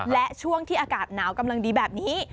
และช่วงที่อากาศหนาวกำลังดีแบบนี้